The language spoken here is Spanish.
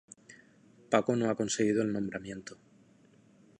Paco no ha conseguido el nombramiento: